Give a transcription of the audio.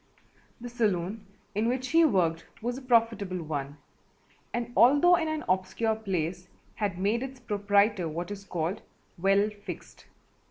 The saloon in which he worked was a profitable one and although in an obscure place had made its proprietor what is called "well fixed."